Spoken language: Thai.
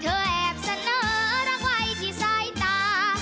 เธอแอบเสนอรักไหว้ที่ทรายตา